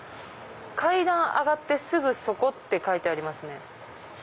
「かいだんあがってすぐそこ！」って書いてあります。